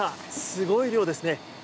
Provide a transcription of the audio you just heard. すごい量ですね。